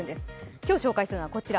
今日、紹介するのは、こちら。